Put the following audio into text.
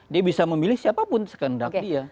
dia bisa memilih siapapun sekendak dia